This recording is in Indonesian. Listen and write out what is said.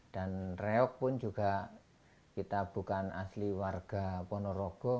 dan reok pun juga kita bukan asli warga ponorogo